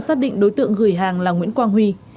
xác định đối tượng gửi hàng là nguyễn quang huy